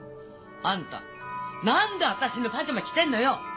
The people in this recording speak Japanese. あんたなんで私のパジャマ着てんのよ！